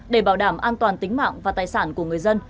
để bảo đảm an toàn tính mạng và tài sản của người dân